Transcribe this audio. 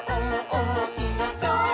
おもしろそう！」